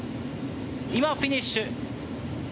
今、フィニッシュ。